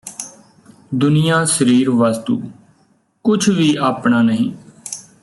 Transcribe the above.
ਦੁਨੀਆਂ ਸਰੀਰ ਵਸਤੂ ਕੁੱਛ ਵੀ ਆਪਣਾਂ ਨਹੀਂ